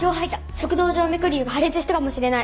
食道静脈瘤が破裂したかもしれない。